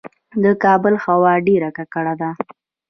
د کابل هوا ډیره ککړه ده